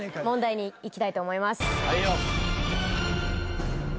問題に行きたいと思います。